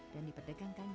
dan diperdekan publik